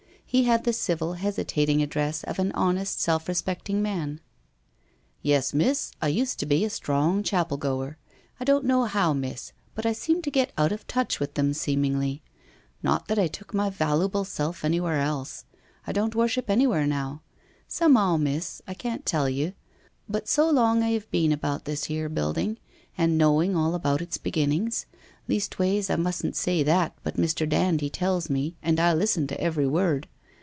He had the civil hesitating address of an honest, self respecting man. ' Yes, Miss, I used to be a strong chapel goer. I don't know how, Miss, but I seemed to get out of touch with them, seemingly. Not that I took my valooable self any where else. I don't worship anywhere now. Somehow, Miss — I can't tell you — but so long I have been about this here building, and knowing all about its beginnings —■ leastways I mustn't say that, but Mr. Dand he tells me, and I listen to every word